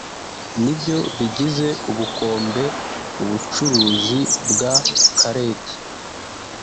ni byo bigize ubukombe ubucuruzi bwa Khaled